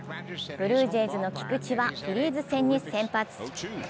ブルージェイズの菊池は、フィリーズ戦に先発。